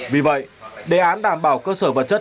vì vậy đề án đảm bảo cơ sở vật chất